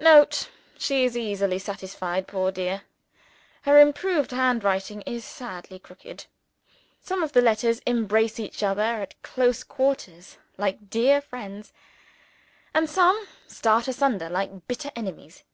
[Note. She is easily satisfied, poor dear. Her improved handwriting is sadly crooked. Some of the letters embrace each other at close quarters like dear friends; and some start asunder like bitter enemies.